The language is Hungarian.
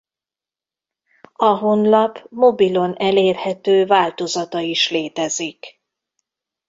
A honlap mobilon elérhető változata is létezik.